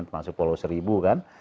termasuk polo seribu